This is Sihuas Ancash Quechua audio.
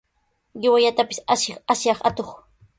¡Qiwallatapis ashiy, asyaq atuq!